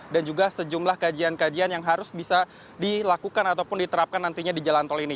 juga sejumlah kajian kajian yang harus bisa dilakukan ataupun diterapkan nantinya di jalan tol ini